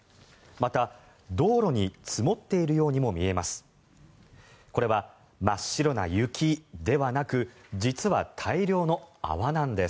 また、道路に積もっているようにも見えます。